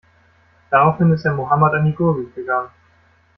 Daraufhin ist er Mohammad an die Gurgel gegangen.